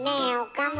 岡村。